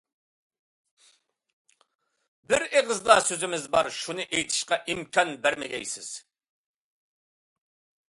بىر ئېغىزلا سۆزىمىز بار، شۇنى ئېيتىشقا ئىمكان بەرمىگەيسىز.